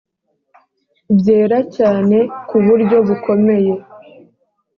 byera cyane ku buryo bukomeye